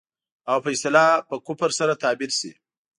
او په اصطلاح په کفر سره تعبير شي.